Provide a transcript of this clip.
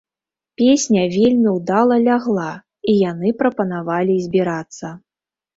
Песня вельмі ўдала лягла, і яны прапанавалі збірацца.